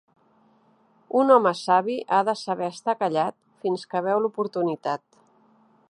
Un home savi ha de saber estar callat fins que veu l'oportunitat.